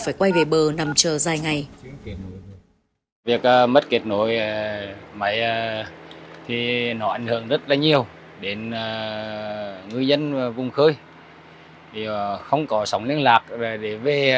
phải quay về bờ nằm chờ dài ngày